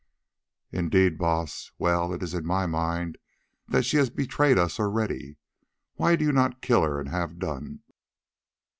"Indeed, Baas! Well, it is in my mind that she has betrayed us already. Why do you not kill her and have done?"